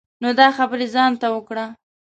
نو دا خبری ځان ته وکړه.